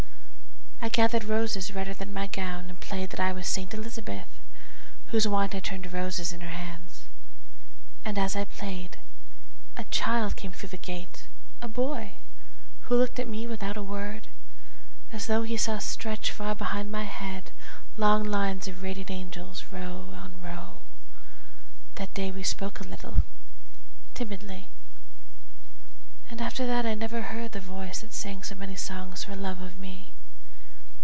I gathered roses redder than my gown And played that I was Saint Elizabeth, Whose wine had turned to roses in her hands. And as I played, a child came thro' the gate, A boy who looked at me without a word, As tho' he saw stretch far behind my head Long lines of radiant angels, row on row. That day we spoke a little, timidly, And after that I never heard the voice That sang so many songs for love of me.